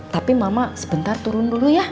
tapi mama sebentar turun dulu ya